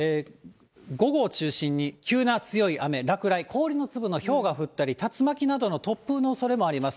午後を中心に急な強い雨、落雷、氷の粒のひょうが降ったり竜巻などの突風のおそれもあります。